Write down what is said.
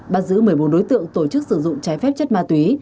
bắt giữ một mươi bốn đối tượng tổ chức sử dụng trái phép chất ma túy